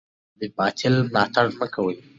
د باطل ملاتړ مه کوئ.